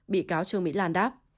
bị cáo trương mỹ lan đáp